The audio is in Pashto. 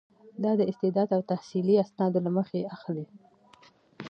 دا د استعداد او تحصیلي اسنادو له مخې اخلي.